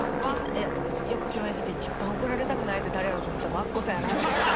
いやよく共演してて一番怒られたくないって誰やろうって思ったらもうアッコさんやなって。